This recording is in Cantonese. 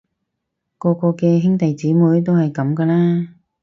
個個嘅兄弟姊妹都係噉㗎啦